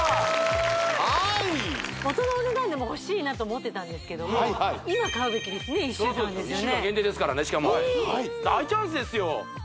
はいもとのお値段でもほしいなと思ってたんですけども１週間限定ですからねしかも大チャンスですよ